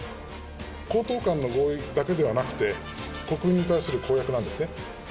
公党間の合意だけではなくて、国民に対する公約なんですね。